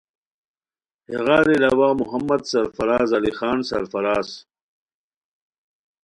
ہیغار علاوہ محمد سرفراز علی خان سرفرازؔ ؔ